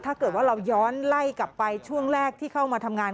ถ้าเกิดว่าเราย้อนไล่กลับไปช่วงแรกที่เข้ามาทำงาน